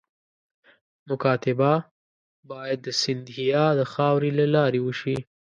مکاتبه باید د سیندهیا د خاوري له لارې وشي.